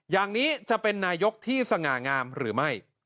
อย่างนี้จะเป็นนายกที่สง่างามหรือไม่